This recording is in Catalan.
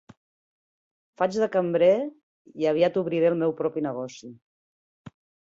Faig de cambrer i aviat obriré el meu propi negoci.